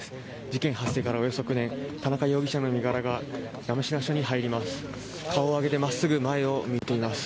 事件発生からおよそ９年田中容疑者の身柄が山科署に入ります。